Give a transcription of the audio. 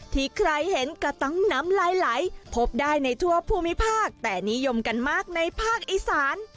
ที่ใครเห็นก็ต้องน้ำลายไหลพบได้ในทั่วภูมิภาคแต่นิยมกันมากในภาคอีสาน